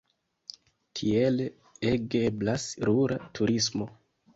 Tiele ege eblas rura turismo.